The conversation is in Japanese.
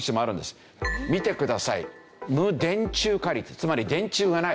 つまり電柱がない。